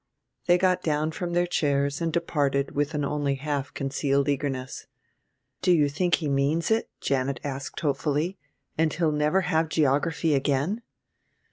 They got down from their chairs and departed with an only half concealed eagerness. "Do you think he means it," Janet asked hopefully, "and he'll never have any geography again?"